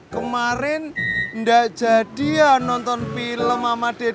kemarin gak jadi ya nonton film sama dede rika